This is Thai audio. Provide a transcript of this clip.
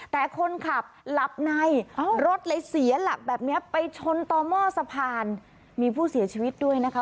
แต่คนขับหลับในรถเลยเสียหลักแบบนี้ไปชนต่อหม้อสะพานมีผู้เสียชีวิตด้วยนะคะ